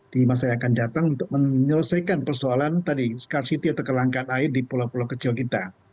di masa yang akan datang untuk menyelesaikan persoalan tadi skarcity atau kelangkaan air di pulau pulau kecil kita